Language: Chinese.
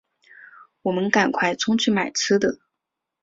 我们赶快冲去买吃的